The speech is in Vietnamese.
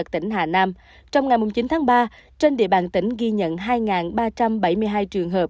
tỉnh hà nam trong ngày chín tháng ba trên địa bàn tỉnh ghi nhận hai ba trăm bảy mươi hai trường hợp